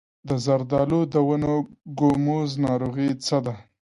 د زردالو د ونو ګوموز ناروغي څه ده؟